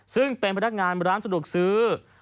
ซึ่งเป็นพนักงานร้านสะดวกซื้อ